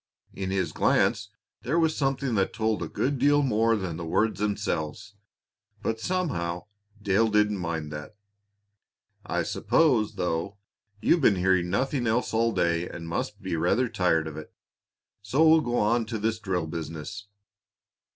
In his glance there was something that told a good deal more than the words themselves, but somehow Dale didn't mind that. "I suppose, though, you've been hearing nothing else all day and must be rather tired of it, so we'll go on to this drill business.